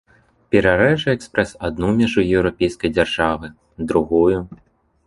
Перарэжа экспрэс адну мяжу еўрапейскай дзяржавы, другую.